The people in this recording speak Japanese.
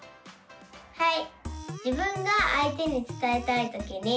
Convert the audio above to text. はい。